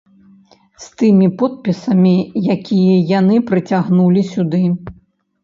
З тымі подпісамі, якія яны прыцягнулі сюды.